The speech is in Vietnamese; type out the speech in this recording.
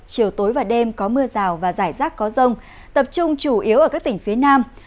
chiều tối và đêm có mưa rào và rải rác có rông tập trung chủ yếu ở các tỉnh phía nam